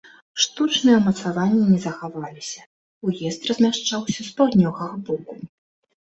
Штучныя ўмацаванні не захаваліся, уезд размяшчаўся з паўднёвага боку.